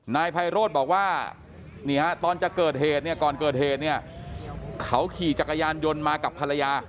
นายไพโรธบอกว่านี่ฮะตอนจะเกิดเหตุเนี่ยก่อนเกิดเหตุเนี่ยเขาขี่จักรยานยนต์มากับภรรยา